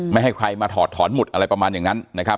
ให้ใครมาถอดถอนหุดอะไรประมาณอย่างนั้นนะครับ